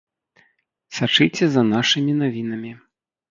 Сачыце за нашымі навінамі.